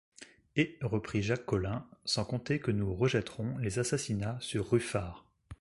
Et, reprit Jacques Collin, sans compter que nous rejetterons les assassinats sur Ruffard…